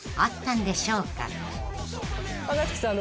若槻さん